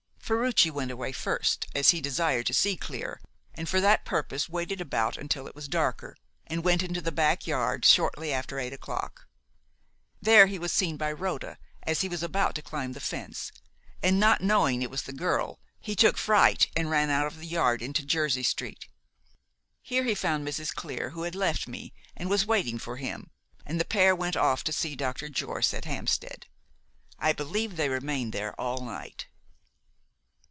"Ferruci went away first, as he desired to see Clear, and for that purpose waited about until it was darker, and went into the back yard shortly after eight o'clock. There he was seen by Rhoda as he was about to climb the fence, and, not knowing it was the girl, he took fright and ran out of the yard into Jersey Street. Here he found Mrs. Clear, who had left me and was waiting for him, and the pair went off to see Dr. Jorce at Hampstead. I believe they remained there all night.